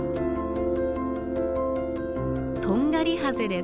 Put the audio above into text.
トンガリハゼです。